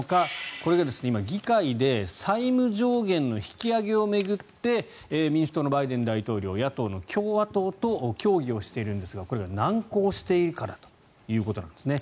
これが今、議会で債務上限の引き上げを巡って民主党のバイデン大統領野党の共和党と協議をしているんですがこれが難航しているからということなんですね。